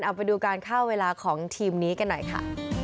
เอาไปดูการเข้าเวลาของทีมนี้กันหน่อยค่ะ